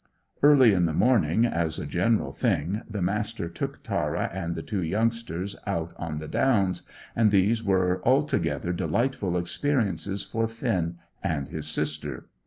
Early in the morning, as a general thing, the Master took Tara and the two youngsters out on the Downs, and these were altogether delightful experiences for Finn and his sister.